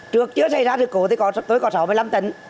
trước chưa xảy ra sự cố thì có tôi có sáu mươi năm tấn